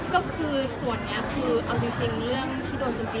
ก็คือส่วนนี้คือเอาจริงเรื่องที่โดนจำปี